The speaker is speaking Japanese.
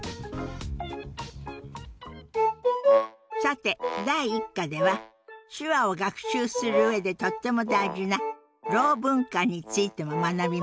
さて第１課では手話を学習する上でとっても大事なろう文化についても学びましたね。